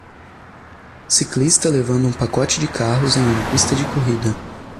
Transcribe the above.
ciclista levando um pacote de carros em uma pista de corrida.